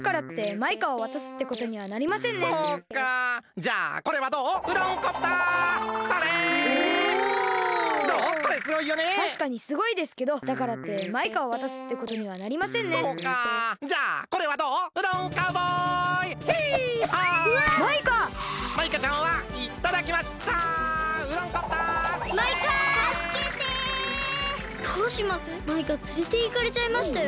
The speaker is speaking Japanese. マイカつれていかれちゃいましたよ。